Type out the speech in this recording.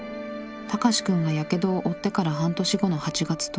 高志くんがやけどを負ってから半年後の８月１０日。